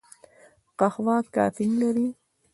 قهوه کافین لري